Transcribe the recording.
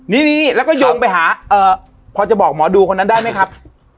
นี่แล้วก็โยงไปหาพอจะบอกหมอดูคนนั้นได้ไหมครับ